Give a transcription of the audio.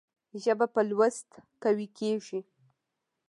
ژبه په لوست قوي کېږي.